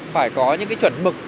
phải có những cái chuẩn mực